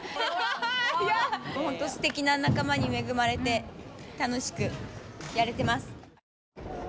すてきな仲間に恵まれて楽しくやれてます。